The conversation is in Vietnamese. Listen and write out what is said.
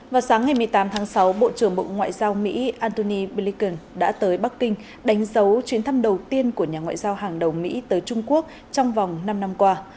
vào sáng ngày một mươi tám tháng sáu bộ trưởng bộ ngoại giao mỹ antony blinken đã tới bắc kinh đánh dấu chuyến thăm đầu tiên của nhà ngoại giao hàng đầu mỹ tới trung quốc trong vòng năm năm qua